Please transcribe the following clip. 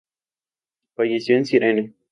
Falleció en Cirene.